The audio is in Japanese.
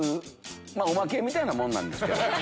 おまけみたいなもんなんです。